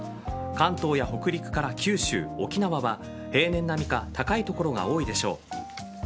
関東や北陸や九州、沖縄は平年並みか高い所が多いでしょう。